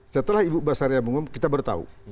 setelah ibu basaria mengumumkan kita bertahu